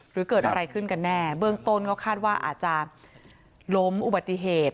หรือเกิดอะไรขึ้นกันแน่เบื้องต้นก็คาดว่าอาจจะล้มอุบัติเหตุ